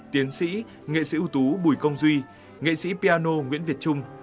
tiến sĩ nghệ sĩ ưu tú bùi công duy nghệ sĩ piano nguyễn việt trung